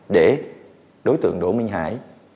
để đối tượng đỗ minh hải